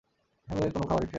সঙ্গে কোনো খাবারের ট্রে নেই।